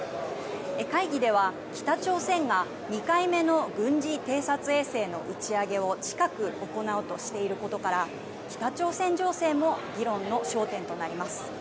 会議では北朝鮮が２回目の軍事偵察衛星の打ち上げを近く行うとしていることから北朝鮮情勢も議論の焦点となります。